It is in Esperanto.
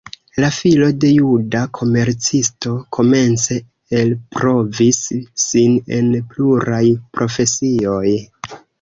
La filo de juda komercisto komence elprovis sin en pluraj profesioj.